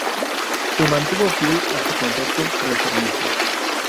Se mantuvo fiel a su concepto reformista.